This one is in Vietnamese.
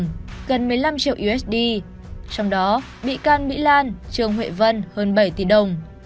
gần một mươi năm triệu usd trong đó bị can mỹ lan trương huệ vân hơn bảy tỷ đồng